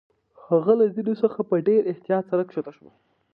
هغه له زینو څخه په ډېر احتیاط سره کښته شوه.